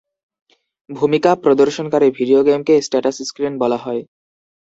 ভূমিকা-প্রদর্শনকারী video গেমকে status screen বলা হয়।